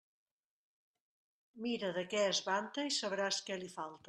Mira de què es vanta i sabràs què li falta.